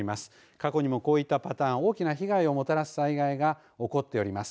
過去にもこういったパターン大きな被害をもたらす災害が起こっております。